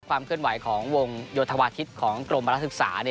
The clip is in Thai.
ความเคลื่อนไหวของวงโยธวาทิศของกรมรัฐศึกษา